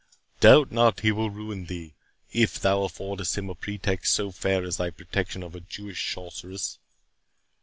Doubt not he will ruin thee, if thou affordest him a pretext so fair as thy protection of a Jewish sorceress.